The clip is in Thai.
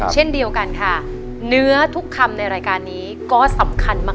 เช่นเดียวกันค่ะเนื้อทุกคำในรายการนี้ก็สำคัญมาก